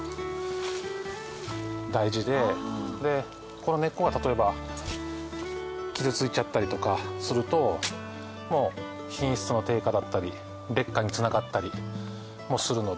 この根っこが例えば傷ついちゃったりとかするともう品質の低下だったり劣化に繋がったりもするので。